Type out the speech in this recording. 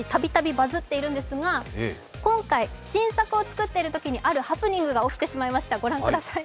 バズっているんですが今回、新作を作っているときに、あるハプニングが起きてしまいました。